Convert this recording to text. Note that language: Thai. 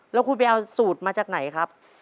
แล้วคุณไปเอาสูตรมาจากไหนครับ